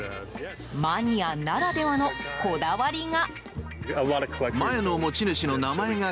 マニアならではのこだわりが。